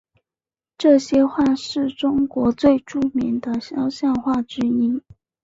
这些画是中国最著名的肖像画之一。